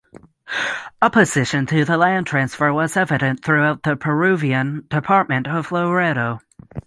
Opposition to the land transfer was evident throughout the Peruvian department of Loreto.